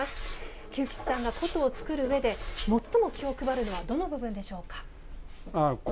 久吉さんが箏を作る上で最も気を配るのはどの部分でしょうか。